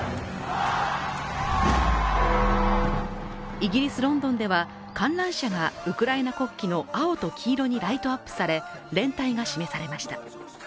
イギリス・ロンドンでは観覧車がウクライナ国旗の青と黄色にライトアップされ連帯が示されました。